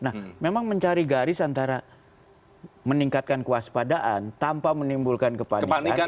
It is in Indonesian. nah memang mencari garis antara meningkatkan kewaspadaan tanpa menimbulkan kepanikan